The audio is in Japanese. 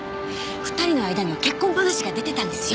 ２人の間には結婚話が出てたんですよ！